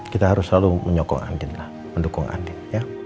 kita harus selalu menyokong anin mendukung anin